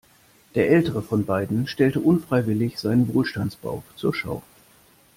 Der ältere von beiden stellte unfreiwillig seinen Wohlstandsbauch zur Schau.